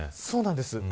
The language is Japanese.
そうなんです。